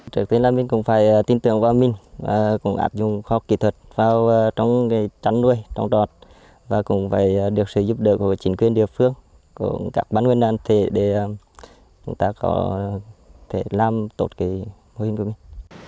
trước tiên là mình cũng phải tin tưởng vào mình cũng áp dụng kho kỹ thuật vào trong trang nuôi trong trọt và cũng phải được sự giúp đỡ của chính quyền địa phương của các ban ngành đoàn thể để chúng ta có thể làm tốt cái mô hình của mình